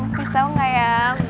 hmm kasih tau gak ya